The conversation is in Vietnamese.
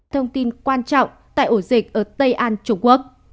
thông tin quan trọng tại ổ dịch ở tây an trung quốc